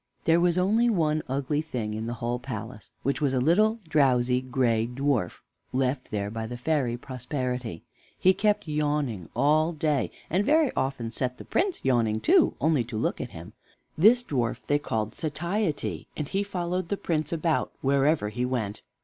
There was only one ugly thing in the whole palace, which was a little, drowsy, gray dwarf, left there by the fairy Prosperity. He kept yawning all day, and very often set the Prince yawning, too, only to look at him. This dwarf they called Satiety, and he followed the Prince about wherever he went.